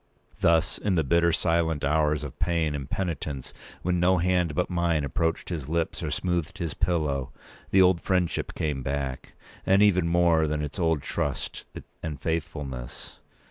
Thus, in the bitter silent hours of pain and penitence, when no hand but mine approached his lips or smoothed his pillow, the old friendship came back with even more than its old trust and faithfulness.